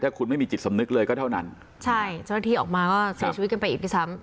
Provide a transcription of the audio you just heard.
ถ้าคุณไม่มีจิตสำนึกเลยก็เท่านั้นใช่เจ้าหน้าที่ออกมาก็เสียชีวิตกันไปอีกด้วยซ้ำ